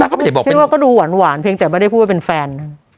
ก็ไม่ได้บอกฉันว่าก็ดูหวานเพียงแต่ไม่ได้พูดว่าเป็นแฟน